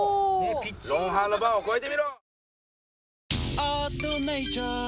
『ロンハー』のバーを越えてみろ。